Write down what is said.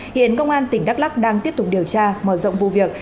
hiện công an tỉnh đắk lắc đang tiếp tục điều tra mở rộng vụ việc